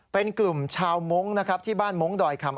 เป็นกลุ่มชาวมงค์ที่บ้านมงค์ดอยคำ